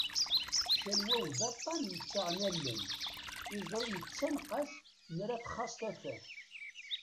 Calwaw d aṭan yettaɣen allen, iẓri yettanqas m'ara txaṣ tafat.